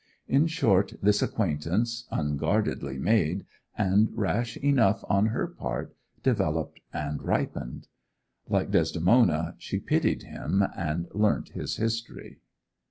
In short this acquaintance, unguardedly made, and rash enough on her part, developed and ripened. Like Desdemona, she pitied him, and learnt his history.